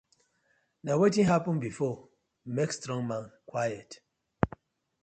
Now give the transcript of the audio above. Na wetin happen before, make strong man quiet: